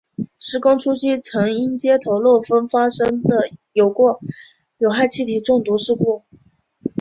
施工初期曾因接头漏风发生过有害气体中毒事故。